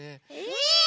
え⁉